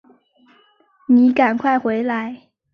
妳赶快回来